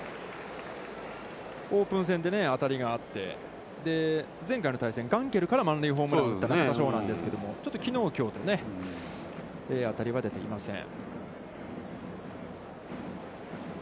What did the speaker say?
オープン戦で当たりがあって、前回の対戦、ガンケルから満塁のホームランを打ったんですけども、ちょっときのう、きょうとね、当たりは出ていません。